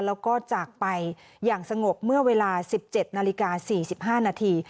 แล้วก็จากไปอย่างสงบเมื่อเวลา๑๗นาฬิกา๔๕นาที